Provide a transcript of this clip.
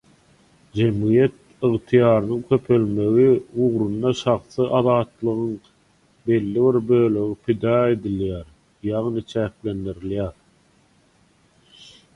Jemgyýet ygtyýarynyň köpelmegi ugrunda şahsy azatlygyň belli bir bölegi pida edilýär, ýagny çäklendirilýär.